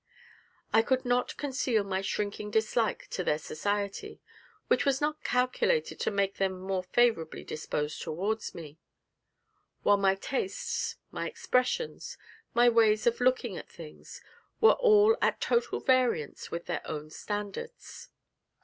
I could not conceal my shrinking dislike to their society, which was not calculated to make them more favourably disposed towards me; while my tastes, my expressions, my ways of looking at things, were all at total variance with their own standards.